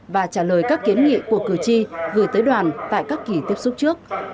và trả lời các kiến nghị của cử tri gửi tới đoàn tại các kỳ tiếp xúc trước